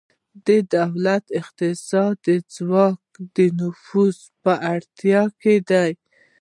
د دولت اقتصادي ځواک د نفوذ په وړتیا کې دی